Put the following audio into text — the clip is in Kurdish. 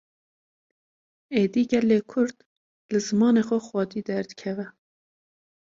Êdî gelê Kurd, li zimanê xwe xwedî derdikeve